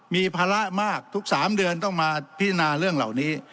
มีภาระมากทุก๓เดือนต้องมาพิจารณาเรื่องเหล่านี้